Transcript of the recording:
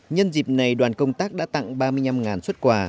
nhân dịp này đoàn công tác đã tặng ba mươi năm xuất quà